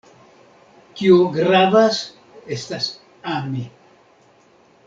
Kio gravas estas ami.